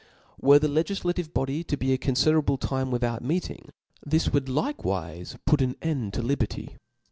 Were the legiflative body to be a confiderable time without meeting, this would likewiie put aa end to liberty.